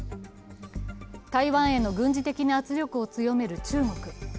台湾への軍事的な圧力を強める中国。